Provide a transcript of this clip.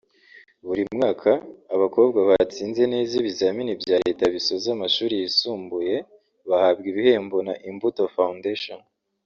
Buri mwaka abakobwa batsinze neza ibizamini bya Leta bisoza amashuri yisumbuye bahabwa ibihembo na Imbuto Foundation